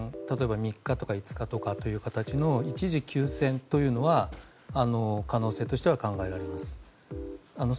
例えば３日とか５日という形の一時休戦というのは可能性としては考えられます。